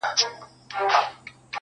• نه وېرېږې له آزاره د مرغانو -